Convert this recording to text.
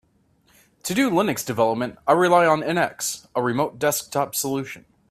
To do Linux development, I rely on NX, a remote desktop solution.